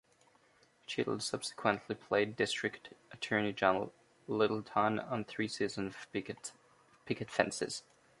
Cheadle subsequently played district attorney John Littleton on three seasons of "Picket Fences".